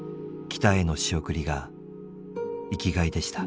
北への仕送りが生きがいでした。